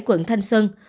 quận thanh xuân